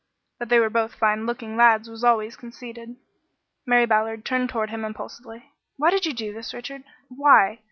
That they were both fine looking lads was always conceded. Mary Ballard turned toward him impulsively. "Why did you do this, Richard? Why?